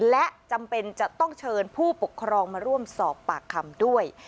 และจำเป็นจะต้องเชิญผู้ปกครองมาร่วมสอบปากคำด้วย